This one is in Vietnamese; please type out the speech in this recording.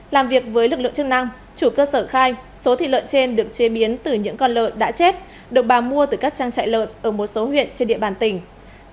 làm việc với lực lượng chức năng chủ cơ sở khai số thịt lợn trên được chế biến từ những con lợn đã chết được bà mua từ các trang trại lợn ở một số huyện trên địa bàn tỉnh